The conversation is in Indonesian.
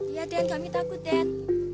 iya den kami takut den